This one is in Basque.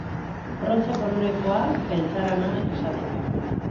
Brontze kolorekoa, beltzarana, izaten da.